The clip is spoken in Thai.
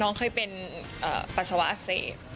น้องเคยเป็นปัสสาวะอักเสบ